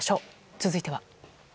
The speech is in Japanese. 続いては。